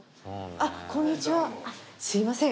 あっこんにちはすいません